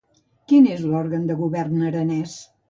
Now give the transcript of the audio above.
Quin és l'òrgan de govern aranès?